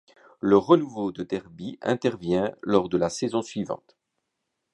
Le renouveau de Derby intervient lors de la saison suivante.